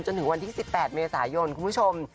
จนถึงวันที่๑๘เมษายนคุณผู้ชม